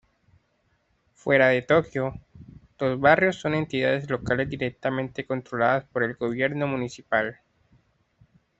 Fuera de Tokio, los barrios son entidades locales directamente controladas por el gobierno municipal.